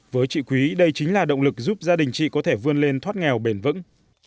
với chị quý đây chính là động lực giúp gia đình chị có thể vươn lên thoát nghèo bền vững